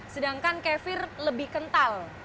sedangkan kefir lebih kental